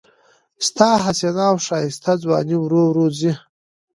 ستا حسینه او ښایسته ځواني ورو ورو ځي